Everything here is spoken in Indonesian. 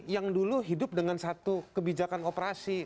yang dulu hidup dengan satu kebijakan operasi